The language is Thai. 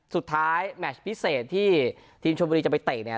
แมชพิเศษที่ทีมชมบุรีจะไปเตะเนี่ย